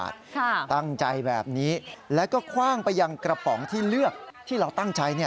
แค่นี้ก็ถือว่าเสร็จแล้ว